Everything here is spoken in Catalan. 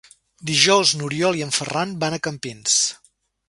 Dijous n'Oriol i en Ferran van a Campins.